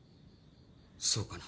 そうかな？